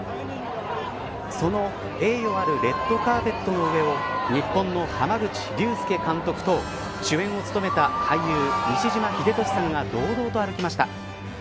その栄誉あるレッドカーペットの上を日本の濱口竜介監督と主演を務めた俳優西島秀俊さんが堂々と歩きました。